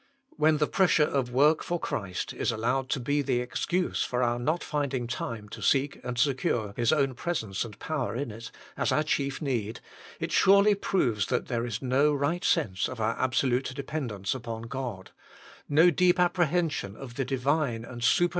When the pressure of work for Christ is allowed to be the excuse for our not finding time to seek and secure His own presence and power in it, as our chief need, it surely proves that there is no right sense of our absolute dependence upon God ; no deep apprehension of the Divine and super RESTRAINING PRAYER: IS IT SIN?